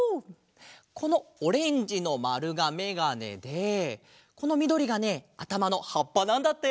このオレンジのまるがめがねでこのみどりがねあたまのはっぱなんだって！